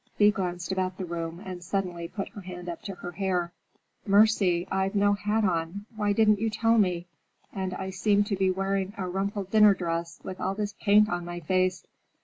Thea glanced about the room and suddenly put her hand up to her hair. "Mercy, I've no hat on! Why didn't you tell me? And I seem to be wearing a rumpled dinner dress, with all this paint on my face!